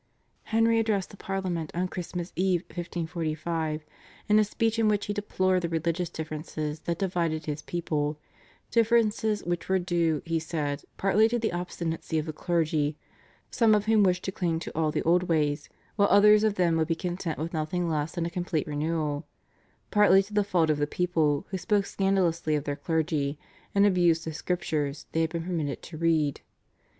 Henry addressed the Parliament on Christmas Eve 1545 in a speech in which he deplored the religious differences that divided his people, differences which were due, he said, partly to the obstinacy of the clergy, some of whom wished to cling to all the old ways, while others of them would be content with nothing less than a complete renewal; partly to the fault of the people who spoke scandalously of their clergy, and abused the Scriptures they had been permitted to read.